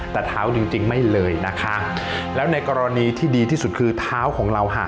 แต่เท้าจริงจริงไม่เลยนะคะแล้วในกรณีที่ดีที่สุดคือเท้าของเราหัก